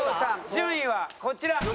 順位はこちら。